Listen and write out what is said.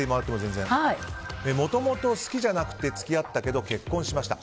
もともと好きじゃなくて付き合ったけど結婚しました。